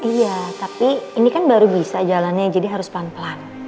iya tapi ini kan baru bisa jalannya jadi harus pelan pelan